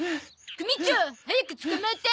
組長早く捕まえて。